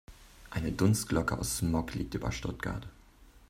Eine Dunstglocke aus Smog liegt über Stuttgart.